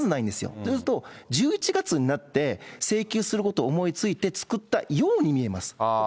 そうすると１１月になって、請求すること思いついて作ったように見えます。